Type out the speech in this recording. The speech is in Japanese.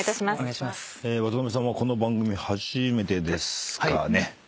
渡辺さんはこの番組初めてですかね。